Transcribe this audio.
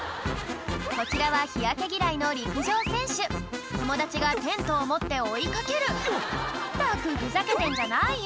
こちらは日焼け嫌いの陸上選手友達がテントを持って追い掛けるったくふざけてんじゃないよ